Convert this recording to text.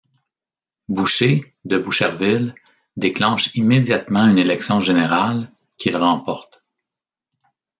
Boucher de Boucherville déclenche immédiatement une élection générale, qu'il remporte.